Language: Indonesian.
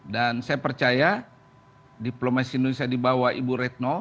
dan saya percaya diplomasi indonesia dibawa ibu retno